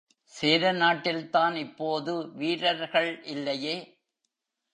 சேர நாட்டில்தான் இப்போது வீரர்களே இல்லையே?